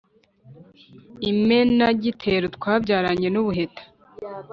Imenagitero twabyaranye n’ubuheta